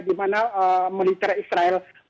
di mana militer israel